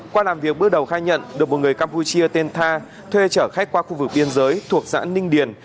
qua làm việc bước đầu khai nhận được một người campuchia tên tha thuê chở khách qua khu vực biên giới thuộc xã ninh điền